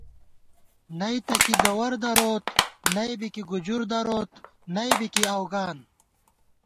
نئیتہ کی گوَر دروت نئیبی کی گُجُر دروت نئیبی کی اؤگان